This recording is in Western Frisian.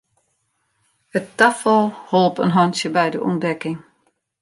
It tafal holp in hantsje by de ûntdekking.